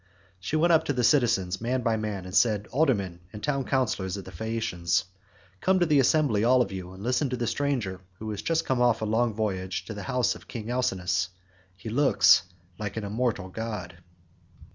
She went up to the citizens, man by man, and said, "Aldermen and town councillors of the Phaeacians, come to the assembly all of you and listen to the stranger who has just come off a long voyage to the house of King Alcinous; he looks like an immortal god."